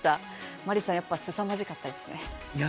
マリさん、やっぱりすさまじかったですね。